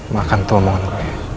makan tuh omongan gue